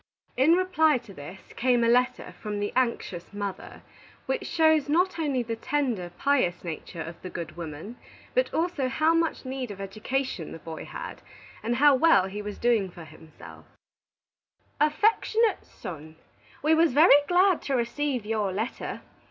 In reply to this, came a letter from the anxious mother, which shows not only the tender, pious nature of the good woman, but also how much need of education the boy had, and how well he was doing for himself: "AFFECTIONATE SON: We was very glad to receave your letter.